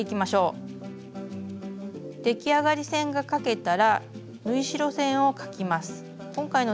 出来上がり線が描けたら縫い代線を描きます。